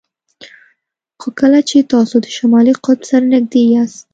خو کله چې تاسو د شمالي قطب سره نږدې یاست